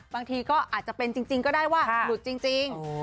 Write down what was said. บางทีก็อาจจะเป็นจริงก็ได้ว่าหลุดจริง